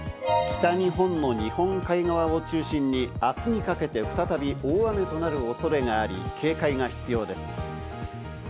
北日本の日本海側を中心に、明日にかけて再び大雨となる恐れがあり、警戒が必要です。